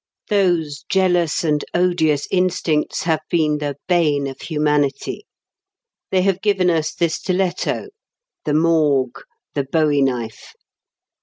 Those jealous and odious instincts have been the bane of humanity. They have given us the stiletto, the Morgue, the bowie knife.